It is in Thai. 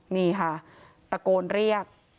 นี่ค่ะตะโกนเรียก